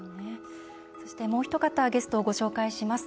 そしてもうひと方ゲストをご紹介します。